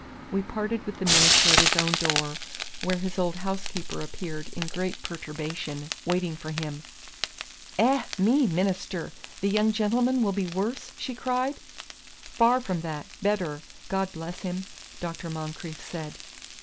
We parted with the minister at his own door, where his old housekeeper appeared in great perturbation, waiting for him. "Eh, me, minister! the young gentleman will be worse?" she cried. "Far from that better. God bless him!" Dr. Moncrieff said.